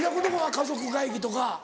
家族会議とか。